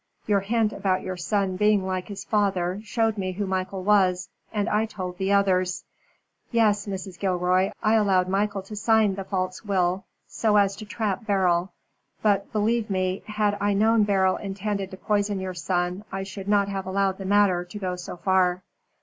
Your hint about your son being like his father showed me who Michael was, and I told the others. Yes, Mrs. Gilroy, I allowed Michael to sign the false will, so as to trap Beryl. But, believe me, had I known Beryl intended to poison your son, I should not have allowed the matter to go so far."